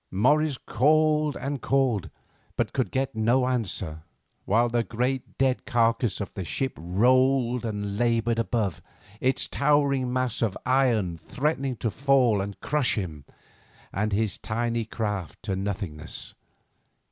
Morris called and called, but could get no answer, while the great dead carcass of the ship rolled and laboured above, its towering mass of iron threatening to fall and crush him and his tiny craft to nothingness.